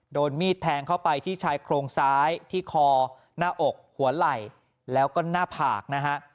โดนมีดแทงเข้าไปที่ชายโครงซ้ายที่คอหน้าอกหัวไหล่แล้วก็หน้าผากนะฮะ